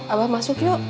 abah masuk yuk